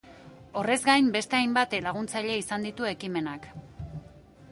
Horrez gain, beste hainbat laguntzaile izan ditu ekimenak.